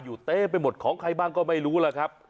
เต็มไปหมดของใครบ้างก็ไม่รู้ล่ะครับ